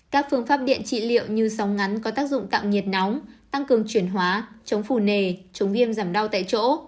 các phương pháp điện trị liệu như sóng ngắn có tác dụng tạo nhiệt nóng tăng cường chuyển hóa chống phù nề chống viêm giảm đau tại chỗ